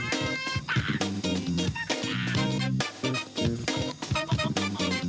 เสียงแอนจี้นำดังมาก